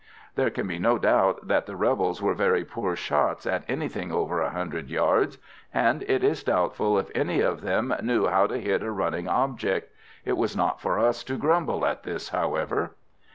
There can be no doubt that the rebels were very poor shots at anything over 100 yards; and it is doubtful if any of them knew how to hit a running object. It was not for us to grumble at this, however.